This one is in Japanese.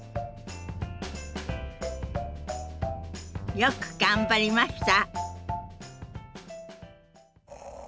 よく頑張りました。